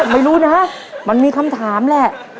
ไม่รู้นะมันมีคำถามแหละ